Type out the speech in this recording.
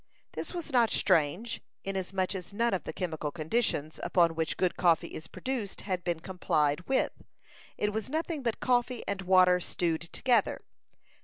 This was not strange, inasmuch as none of the chemical conditions, upon which good coffee is produced, had been complied with. It was nothing but coffee and water stewed together.